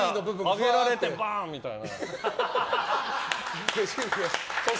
上げられて、バーン！みたいな。